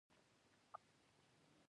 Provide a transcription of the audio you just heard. فکري کلیشه له ادبیاتو څخه نه سو بېلولای.